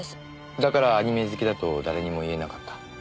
だからアニメ好きだと誰にも言えなかった？